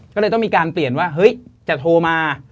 ก็เลยต้องมีการเปลี่ยนว่าเฮ้ยจะโทรมา